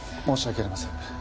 申し訳ありません。